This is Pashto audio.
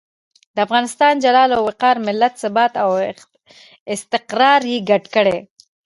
د افغانستان جلال او وقار، ملت ثبات او استقرار یې ګډ کړي.